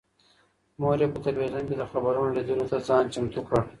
مور یې په تلویزون کې د خبرونو لیدلو ته ځان چمتو کړ.